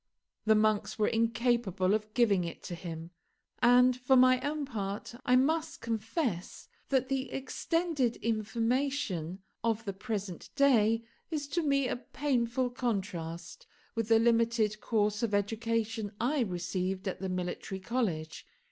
The monks were incapable of giving it him; and, for my own part, I must confess that the extended information of the present day is to me a painful contrast with the limited course of education I received at the Military College.